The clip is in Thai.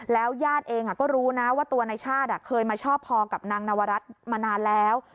ญาติเองก็รู้นะว่าตัวนายชาติเคยมาชอบพอกับนางนวรัฐมานานแล้ว